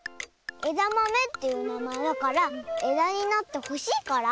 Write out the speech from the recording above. えだまめっていうなまえだからえだになってほしいから？